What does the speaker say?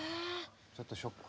ちょっとショック。